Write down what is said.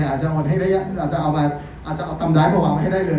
อาจจะอ่อนให้ได้อาจจะเอามาอาจจะเอาตำได้ประหว่างให้ได้เลย